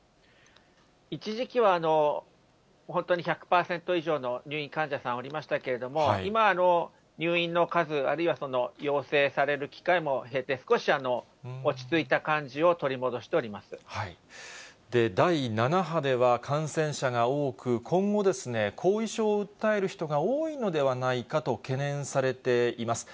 一時期は本当に１００％以上の入院患者さんおりましたけれども、今、入院の数、あるいは要請される機会も減って、少し落ち着いた感じを取り戻して第７波では感染者が多く、今後、後遺症を訴える人が多いのではないかと懸念されています。